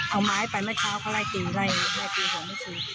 เอาไม้ไปเมื่อเช้าเค้าไล่กรีย์ไล่เนี้ยให้กรีย์แห่งแล้วที